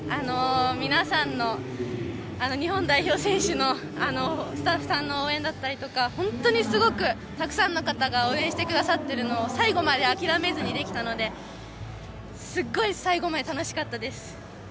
皆さんの、日本代表選手のスタッフさんの応援だったりとか本当にすごくたくさんの方が応援してくださっているので最後まで諦めずにできたのですごい最後まで楽しかったです。